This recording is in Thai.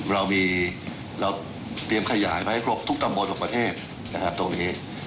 เราเตรียมขยายไปให้ครบทุกตำบลประเทศตรงนี้